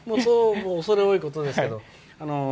恐れ多いことですけど。